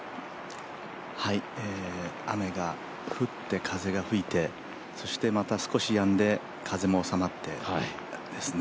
雨が降って、風が吹いてそしてまた少しやんで風もおさまってですね